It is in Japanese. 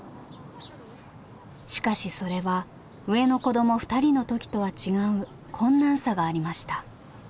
しかしそれは上の子ども２人の時とは違う困難さがありました。